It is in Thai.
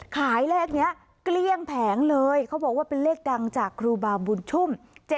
ขายเลขนี้เกลี้ยงแผงเลยเขาบอกว่าเป็นเลขดังจากครูบาบุญชุ่ม